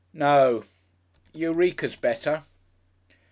No! Eureka's better."